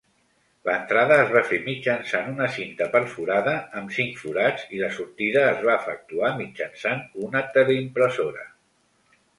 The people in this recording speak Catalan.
L'entrada es va fer mitjançant una cinta perforada amb cinc forats i la sortida es va efectuar mitjançant una teleimpressora.